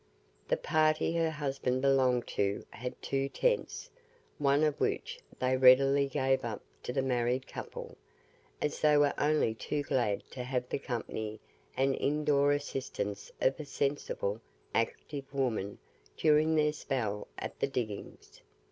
The party her husband belonged to had two tents, one of which they readily gave up to the married couple, as they were only too glad to have the company and in door assistance of a sensible, active woman during their spell at the diggings.